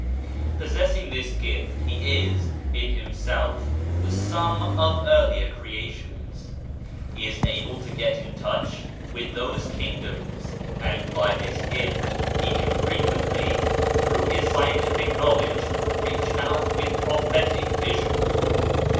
Possessing this gift, he is, in himself, the sum of earlier creations he is able to get into touch with those kingdoms ; and by this gift, he can frequently, through his scientific knowledge, reach out with prophetic vision.